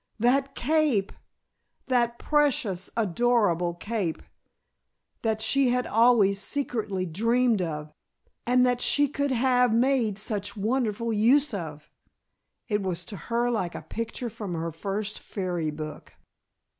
That cape! That precious, adorable cape, that she had always secretly dreamed of and that she could have made such wonderful use of! It was to her like a picture from her first fairy book.